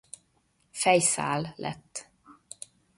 Fejszál lett.